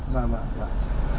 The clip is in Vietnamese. vâng vâng vâng